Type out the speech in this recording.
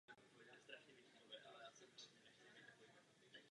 Investorem byl Městský národní výbor Přeštice.